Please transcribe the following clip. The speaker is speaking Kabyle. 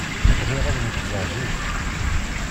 Riɣ ad nekreɣ zik.